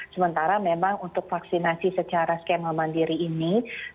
sementara memang untuk vaksinasi secara skema mandiri ini